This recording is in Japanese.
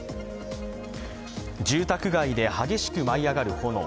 住宅街で激しく舞い上がる炎。